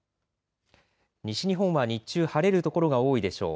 西日本は日中晴れる所が多いでしょう。